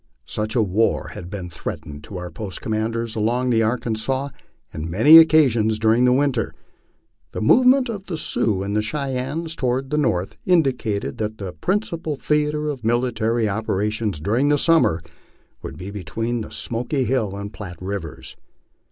Such a war had been threatened to our post commanders along the Arkansas on many occasions during the winter. The movement of the Sioux and Cheyennes toward the north indicated that the principal theatre of military operations during the summer would be between the Smoky Hill and Platte rivers.